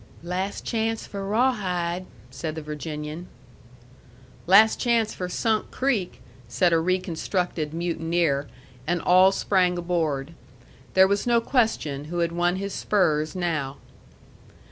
"Last chance for Rawhide," said the Virginian. "Last chance for Sunk Creek," said a reconstructed mutineer, and all sprang aboard. There was no question who had won his spurs now.